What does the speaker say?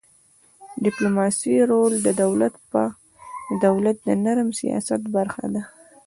د ډيپلوماسی رول د دولت د نرم سیاست برخه ده.